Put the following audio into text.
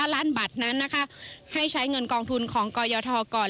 ล้านบาทนั้นนะคะให้ใช้เงินกองทุนของกยทก่อน